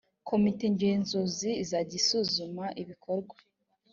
komite ngenzuzi izajya isuzuma ibikorwa